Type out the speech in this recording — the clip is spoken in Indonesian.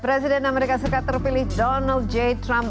presiden amerika serikat terpilih donald j trump